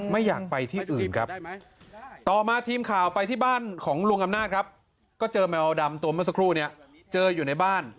ไม่อยากไปที่อื่นครับต่อมาทีมข่าวไปที่บ้านของลุงอำนาจครับก็เจอแมวดำตัวเมื่อสักครู่เนี่ยเจออยู่ในบ้าน